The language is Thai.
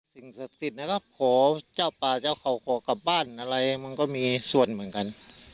สิ่งศักดิ์สิทธิ์นะครับขอเจ้าป่าเจ้าเขาขอกลับบ้านอะไรมันก็มีส่วนเหมือนกัน